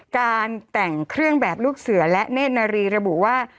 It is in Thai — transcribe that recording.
การแต่งเครื่องแบบลูกเสือและเนธนารีระบุว่า